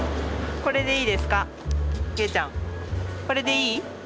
これでいい？